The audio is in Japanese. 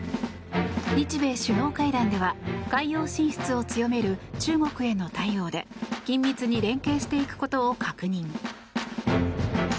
日米首脳会談では海洋進出を強める中国への対応で緊密に連携していくことを確認。